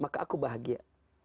maka aku bahagia